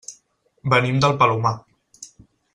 Venim del Palomar.